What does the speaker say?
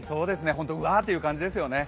本当にうわーという感じですよね。